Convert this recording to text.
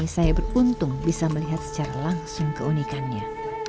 saya beruntung bisa melihat secara langsung keunikannya